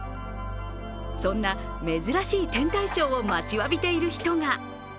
そんな珍しい天体ショーを待ちわびている人が。